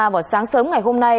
vào sáng sớm ngày hôm nay